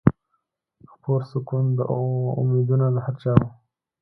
خپور سکون و امیدونه د هر چا وه